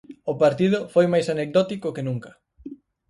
O partido foi máis anecdótico que nunca.